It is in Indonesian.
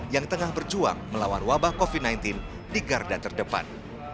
yang tengah berjuang melawan wabah covid sembilan belas di garda terdepan